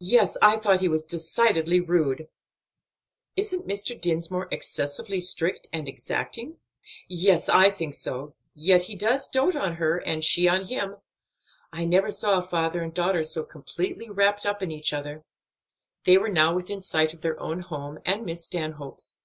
"Yes, I thought he was decidedly rude." "Isn't Mr. Dinsmore excessively strict and exacting?" "Yes, I think so; yet he dotes on her, and she on him. I never saw a father and daughter so completely wrapped up in each other." They were now within sight of their own home, and Miss Stanhope's.